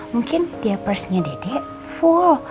mungkin diapresnya dedek full